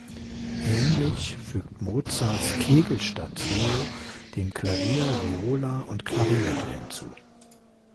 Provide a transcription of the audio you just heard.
Ähnlich fügt Mozarts "Kegelstatt-Trio" dem Klavier Viola und Klarinette hinzu.